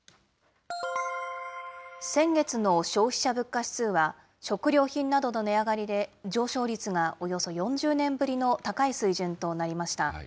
先月の消費者物価指数は食料品などの値上がりで、上昇率がおよそ４０年ぶりの高い水準となりました。